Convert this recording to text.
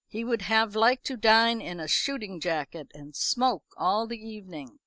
He would have liked to dine in a shooting jacket, and smoke all the evening.